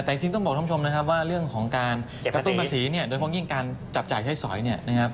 แต่จริงต้องบอกท่องชมนะครับว่าเรื่องของการเก็บภาษีโดยความยิ่งการจับจ่ายใช้สอย